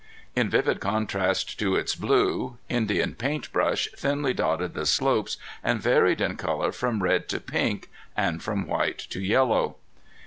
In vivid contrast to its blue, Indian paint brush thinly dotted the slopes and varied in color from red to pink and from white to yellow.